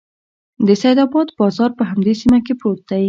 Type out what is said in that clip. د سیدآباد بازار په همدې سیمه کې پروت دی.